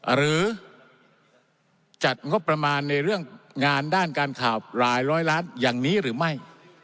หรือจัดงบประมาณในเรื่องงานด้านการข่าวหลายร้อยล้านอย่างนี้หรือไม่